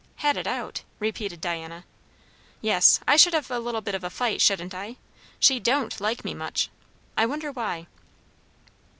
"Had it out!" repeated Diana. "Yes. I should have a little bit of a fight, shouldn't I? She don't like me much. I wonder why?"